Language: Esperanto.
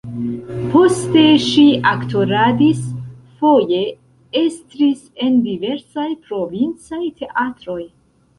Poste ŝi aktoradis, foje estris en diversaj provincaj teatroj.